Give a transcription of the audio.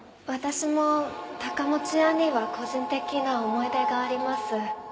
私も高持屋には個人的な思い出があります。